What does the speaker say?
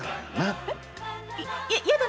やだ